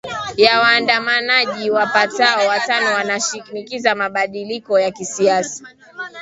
ya waandamanaji wapatao watano wanaoshinikiza mabadiliko ya kisiasa